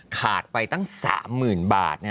ขาดไปตั้ง๓๐๐๐บาท